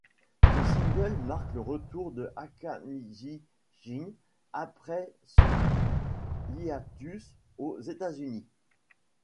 Ce single marque le retour de Akanishi Jin après son hiatus aux États-Unis.